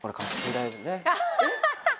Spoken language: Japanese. アハハハ。